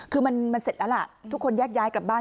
คือมันเสร็จแล้วล่ะทุกคนแยกย้ายกลับบ้าน